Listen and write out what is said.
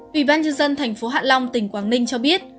ủy ban dân dân tp hạ long tỉnh quảng ninh cho biết